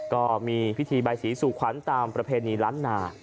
ก็มีพิธีใบสีสู่ขวัญตามประเพณีล้านนา